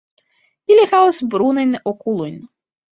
Ili havas brunajn okulojn.